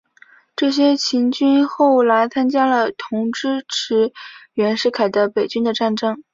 这些黔军后来参加了同支持袁世凯的北军的战争。